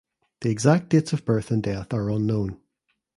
The exact dates of birth and death are unknown.